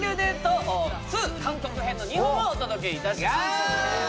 ２韓国編の２話をお届けいたします